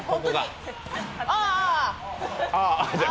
ああ。